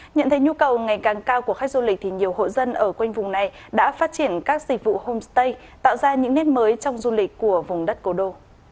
nhận thấy nhu cầu ngày càng cao của khách du lịch thì nhiều hộ dân ở quanh vùng này đã phát triển các dịch vụ homestay tạo ra những nét mới trong du lịch của vùng đất cổ đô